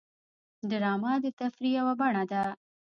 ډرامه د تفریح یوه بڼه ده